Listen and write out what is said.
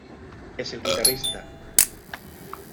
Es el guitarrista.